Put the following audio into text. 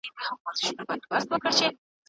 د ټولني عام وګړي د سياسي واک بنسټ جوړوي.